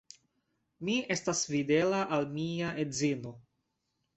Mi estas fidela al mia edzino.